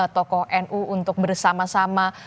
tokoh nu untuk bersama sama